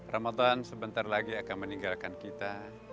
ramadan sebentar lagi akan meninggalkan kita